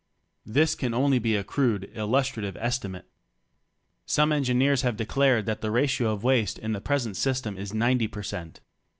This can only be a crude, illustrative estimate. Some en gineers have declared that the ratio of waste in the present system is 90 per cent.